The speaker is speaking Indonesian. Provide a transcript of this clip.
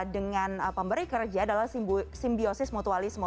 dengan pemberi kerja adalah simbiosis mutualisme